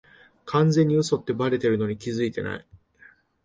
完全に嘘ってバレてるのに気づいてない